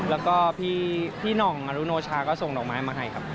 แล้วก็พี่หน่องอรุโนชาก็ส่งดอกไม้มาให้ครับ